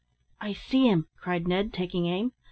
"I see him," cried Ned, taking aim.